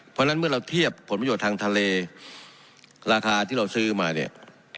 เพราะฉะนั้นเมื่อเราเทียบผลประโยชน์ทางทะเลราคาที่เราซื้อมาเนี่ย